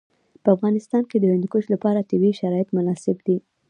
په افغانستان کې د هندوکش لپاره طبیعي شرایط مناسب دي.